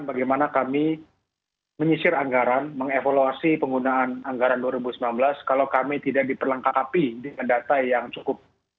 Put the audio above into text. bagaimana kami menyisir anggaran mengevaluasi penggunaan anggaran dua ribu sembilan belas kalau kami tidak diperlengkapi dengan data yang cukup